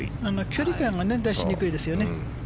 距離感が出しにくいですよね。